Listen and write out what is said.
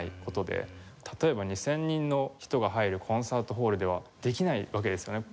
例えば２０００人の人が入るコンサートホールではできないわけですよね